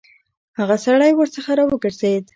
هغه سړی ورڅخه راوګرځېد.